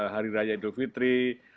hari raya idul fitri